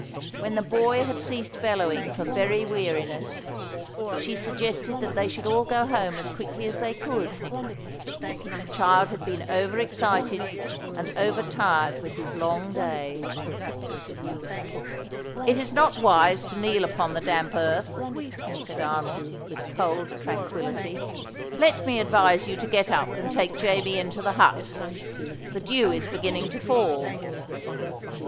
When the boy had ceased bellowing for very weariness, she suggested that they should all go home as quickly as they could. The child had been over excited and over tired with his long day. "It is not wise to kneel on the damp earth," said Arnold, with cold tranquillity. "Let me advise you to get up and take Jamie into the hut. The dew is beginning to fall."